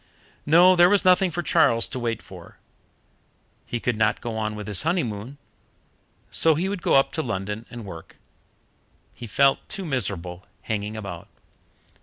No, there was nothing for Charles to wait for. He could not go on with his honeymoon, so he would go up to London and work he felt too miserable hanging about.